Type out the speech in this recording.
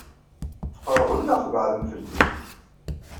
Tqeṛbem neɣ tbeɛdem fell-i?